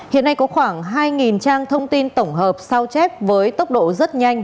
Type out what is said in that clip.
hiện nay có khoảng hai trang thông tin tổng hợp sao chép với tốc độ rất nhanh